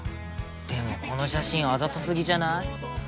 でもこの写真あざとすぎじゃない？